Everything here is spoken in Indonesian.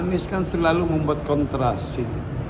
anies kan selalu membuat kontrasi